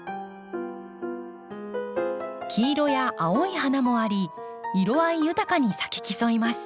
黄色や青い花もあり色合い豊かに咲き競います。